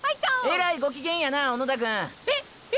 えらいご機嫌やな小野田くん。え⁉え